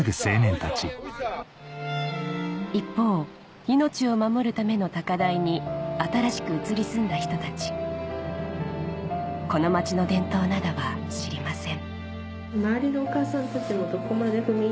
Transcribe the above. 一方命を守るための高台に新しく移り住んだ人たちこの町の伝統などは知りません